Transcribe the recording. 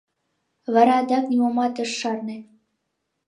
Вара адак нимомат ыш шарне.